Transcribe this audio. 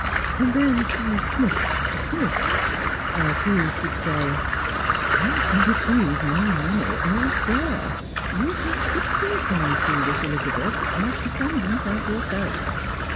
And then she sniiled a sniff, as who rhould say, " I can bequeath my money elsewhere. You have sisters, my foolish Elizabeth, as dependent as yourself.